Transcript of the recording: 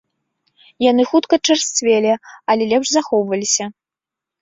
Яны хутка чарсцвелі, але лепш захоўваліся.